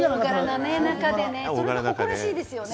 それが誇らしいですよね。